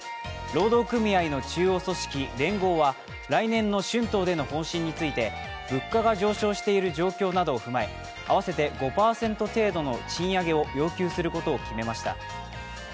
労働組合の中央組織、連合は来年の春闘での方針について物価が上昇している状況などを踏まえ合わせて５％程度の賃上げを要求することを決めました。